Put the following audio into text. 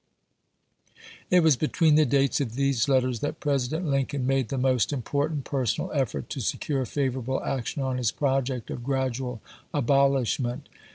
It was between the dates of these letters that President Lincoln made the most important per sonal effort to secure favorable action on his project of gradual abolishment.